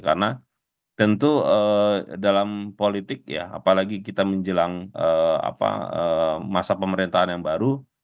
karena tentu dalam politik ya apalagi kita menjelang masa pemerintahan yang baru